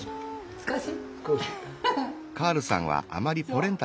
少し。